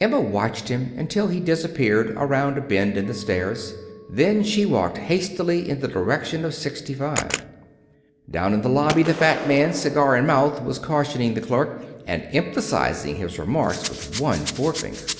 Emma watched him until he disappeared around a bend in the stairs. Then she walked hastily in the direction of sixty five. Down in the lobby the fat man, cigar in mouth, was cautioning the clerk, and emphasizing his remarks with one forefinger.